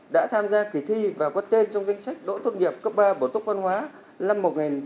đã tham gia kỳ thi và có tên trong danh sách đỗ tốt nghiệp cấp ba bổ tốc văn hóa năm một nghìn chín trăm tám mươi hai